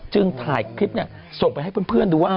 ถ่ายคลิปส่งไปให้เพื่อนดูว่า